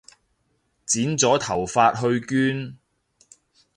剪咗頭髮去捐